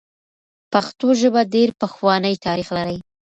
پښتو ژبه ډېر پخوانی تاریخ لري.